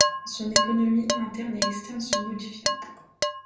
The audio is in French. Son économie interne et externe se modifia.